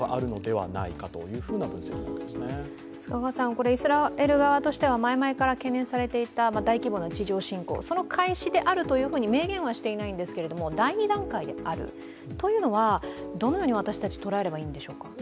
これイスラエル側としては前前から懸念されていた大規模な地上侵攻の開始であるというふうに明言はしていないんですけれども、第２段階であるというのは、どのように私たちは捉えればいいんでしょうか。